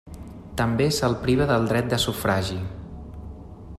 També se'l priva del dret de sufragi.